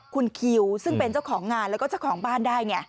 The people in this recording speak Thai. คุณคิวซึ่งเป็นเจ้าของงานแล้วก็เจ้าของบ้านได้ไง